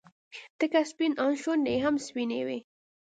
تک سپين ان شونډې يې هم سپينې وې.